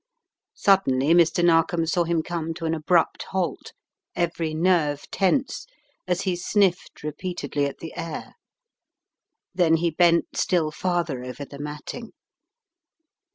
Suddenly Mr. Narkom saw him come to an abrupt halt, every nerve tense, as he sniffed re peatedly at the air. Then he bent still farther over the matting.